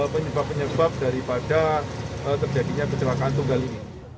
penyebab penyebab daripada terjadinya kecelakaan tunggal ini